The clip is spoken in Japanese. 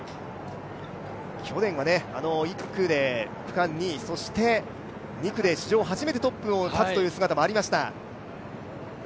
去年は１区で区間２位、２区で初めてトップに立つという姿もありました。